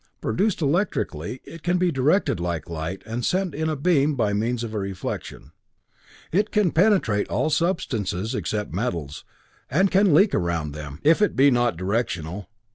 Produced electrically, it can be directed like light and sent in a beam by means of a reflection. It can penetrate all substances except metals, and can leak around them, if it be not directional.